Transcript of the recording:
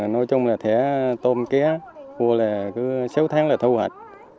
nói chung là thế tôm ké cua là cứ sáu tháng là thu hạt